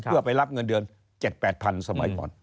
เพื่อไปรับเงินเดือน๗๘๐๐๐สมัยก่อน